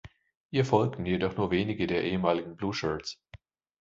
Ihr folgten jedoch nur wenige der ehemaligen Blueshirts.